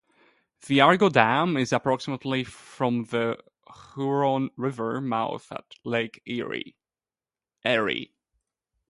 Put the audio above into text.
The Argo Dam is approximately from the Huron River mouth at Lake Erie.